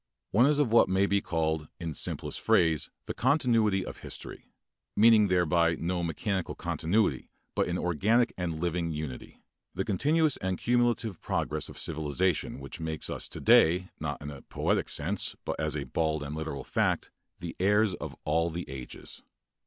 One is of what may be called in simplest phrase the continuity of history, meaning thereby no mechanical continuity, but an organic and living unity the continuous and cumulative progress of civilization which makes us to day not in a poetic sense, but as a bald and literal fact, the heirs of all the ages.